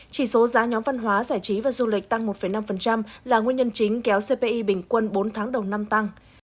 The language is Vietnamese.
chỉ số giá nhóm văn hóa giải trí và du lịch tăng một năm là nguyên nhân chính kéo cpi bình quân bốn tháng đầu năm tăng